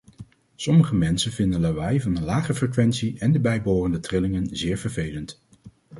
Sommige mensen vinden lawaai van een lage frequentie en de bijbehorende trillingen zeer vervelend.